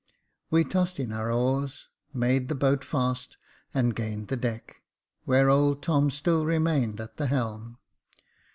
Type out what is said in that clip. We tossed in our oars, made the boat fast, and gained the deck, where old Tom still remained at the helm.